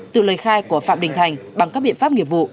từ lời khai của phạm đình thành bằng các biện pháp nghiệp vụ